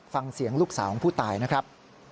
ฟังเสียงลูกสาวของผู้ตายนะครับ